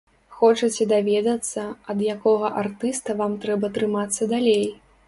Хочаце даведацца, ад якога артыста вам трэба трымацца далей?